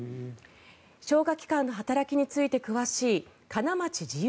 消化器官の働きについて詳しいかなまち慈優